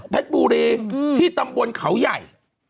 แพทย์บูรีที่ตำบรนขาวย่าย